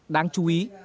đáng chú ý